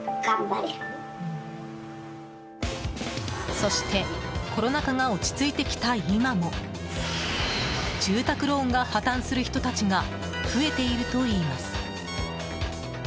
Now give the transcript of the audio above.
そしてコロナ禍が落ち着いてきた今も住宅ローンが破綻する人たちが増えているといいます。